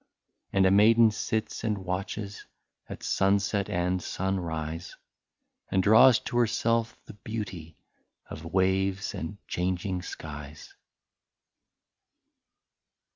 And a maiden sits and watches At sunset and sunrise, And draws to herself the beauty Of waves and changing skies.